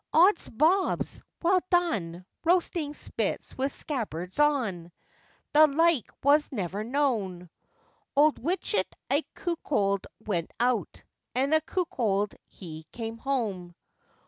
'Ods bobs! well done! roasting spits with scabbards on! The like was never known!' Old Wichet a cuckold went out, and a cuckold he came home!